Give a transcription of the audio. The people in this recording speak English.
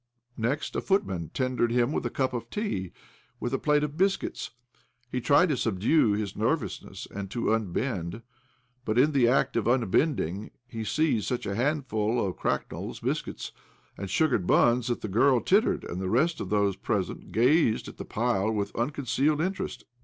Next, a footman tendered him a cup of tea, with a plate of biscuits. He tried to subdue his nervousness, and to unbend; but in the act of unbending he seized such a handful of cracknels, biscuits, and sugared buns that the girl tittered and the rest of those present gazed at the pile with uncon cealed interest.